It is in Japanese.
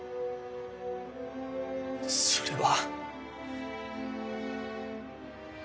それは。